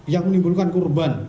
yang menimbulkan kurban